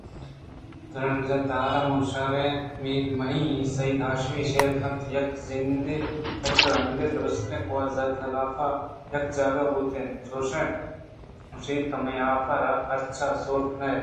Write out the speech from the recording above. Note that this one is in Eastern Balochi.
تژن ءُ تِیہار مہ شہکار گِہیں میر منی(سید ہاشمی) شِیر کِنی یک رندے درٛستیں کور زِر ءِ حلاف ءَ یک جاگہ بُوت اَنتءُ چُشں اِش گوٛشت تو مئے آپ ءَ را پرچہ سور کن ئے